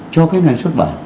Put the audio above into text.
cho cái nhà xuất bản